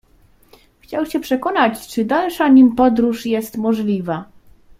Chciał się przekonać, czy dalsza nim podróż jest możliwa.